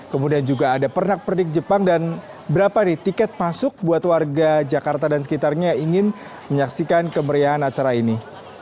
kemudian juga ada pernak pernik jepang dan berapa nih tiket masuk buat warga jakarta dan sekitarnya ingin menyaksikan kemeriahan acara ini